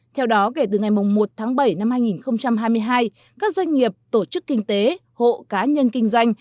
theo đó kể từ ngày một tháng bảy năm hai nghìn hai mươi hai các doanh nghiệp tổ chức kinh tế hộ cá nhân kinh doanh